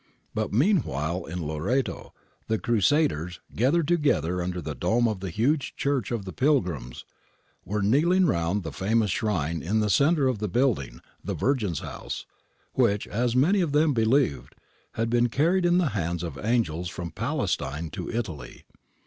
But meanwhile in Loreto the crusaders, gathered to gether under the dome of the huge church of the pilgrims, were kneeling round the famous shrine in the centre of the building, the ' Virgin's house ' which, as many of them beheved, had been carried in the hands of angels from Palestine to Italy.